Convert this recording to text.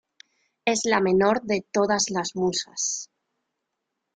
Es la menor de todas las musas.